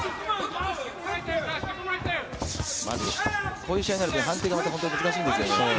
こういう試合になると判定が難しいんですよね。